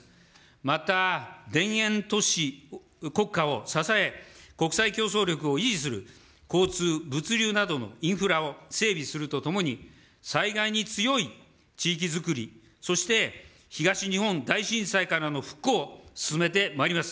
また田園都市国家を支え、国際競争力を維持する、交通、物流などのインフラを整備するとともに、災害に強い地域づくり、そして東日本大震災からの復興を進めてまいります。